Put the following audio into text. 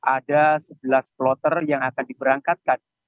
ada sebelas kloter yang akan diberangkatkan